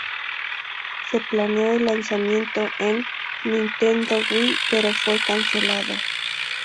Se planeó el lanzamiento en Nintendo Wii, pero fue cancelado.